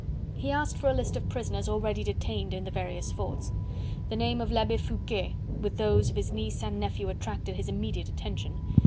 He asked for a list of prisoners already detained in the various forts. The name of l'Abbe Foucquet with those of his niece and nephew attracted his immediate attention.